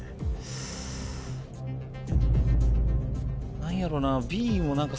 何やろな。